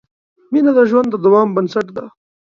مینه د ژوند د دوام بنسټ ده.